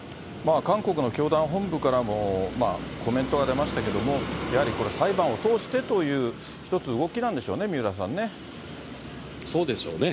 韓国の教団本部からも、コメントが出ましたけれども、やはりこれ、裁判を通してという、一つ動きなんでしょうね、そうでしょうね。